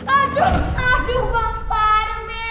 aduh aduh bang parmin